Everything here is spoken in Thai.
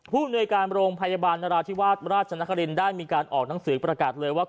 ภูมิในการโรงพยาบาลนราธิวาสราชนครินได้มีการออกหนังสือประกาศเลยว่า